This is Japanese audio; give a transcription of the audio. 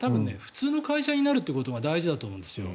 普通の会社になるということが大事だと思うんです。